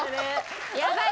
やばい。